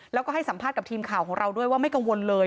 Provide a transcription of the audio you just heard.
แล้วก็ให้สัมภาษณ์กับทีมข่าวของเราด้วยว่าไม่กังวลเลย